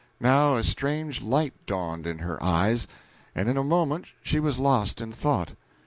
Now a strange light dawned in her eyes, and in a moment she was lost in thought.